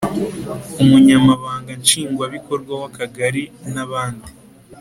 umunya mabanga Nshingwabikorwa w Akagari n abandi